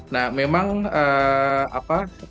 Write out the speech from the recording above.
nah memang apa